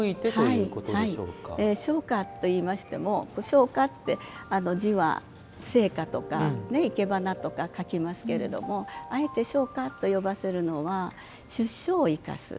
生花といいましても「生花」って字は生花とか生け花とかかきますけどあえて生花と読ませるのは、出生を生かす。